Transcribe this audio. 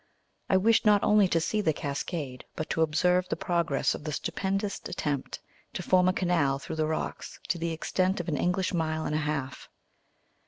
I wished not only to see the cascade, but to observe the progress of the stupendous attempt to form a canal through the rocks, to the extent of an English mile and a half.